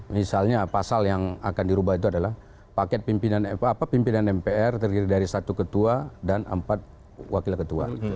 misalnya pasal yang akan dirubah itu adalah paket pimpinan mpr terdiri dari satu ketua dan empat wakil ketua